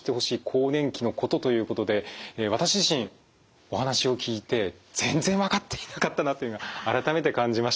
更年期のこと」ということで私自身お話を聞いて全然分かっていなかったなというのが改めて感じました。